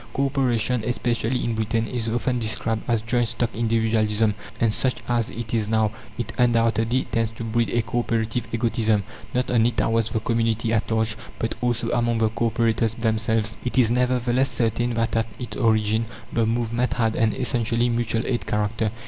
Co operation, especially in Britain, is often described as "joint stock individualism"; and such as it is now, it undoubtedly tends to breed a co operative egotism, not only towards the community at large, but also among the co operators themselves. It is, nevertheless, certain that at its origin the movement had an essentially mutual aid character.